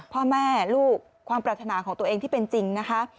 พ่อแม่ลูกความปรารถนาของตัวเองที่เป็นจริงนะคะ